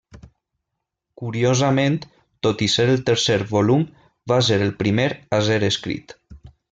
Curiosament, tot i ser el tercer volum va ser el primer a ser escrit.